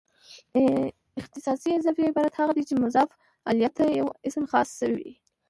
اختصاصي اضافي عبارت هغه دئ، چي مضاف الیه ته یو اسم خاص سوی يي.